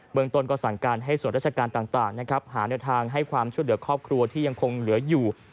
เมืองต้นก็สั่งการให้ส่วนราชการต่างหาแนวทางให้ความช่วยเหลือครอบครัวที่ยังคงเหลืออยู่